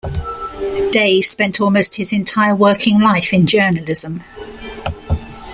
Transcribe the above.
Day spent almost his entire working life in journalism.